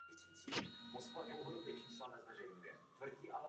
Zde vyhotovil pro dánského krále glóbus.